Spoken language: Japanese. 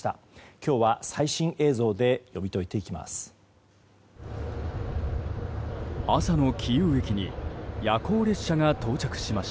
今日は最新映像で読み解いていきます。